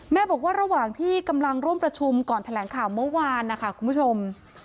บอกว่าระหว่างที่กำลังร่วมประชุมก่อนแถลงข่าวเมื่อวานนะคะคุณผู้ชม